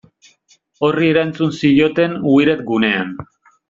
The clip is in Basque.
Horri erantzun zioten Wired gunean.